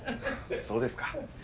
そうですか。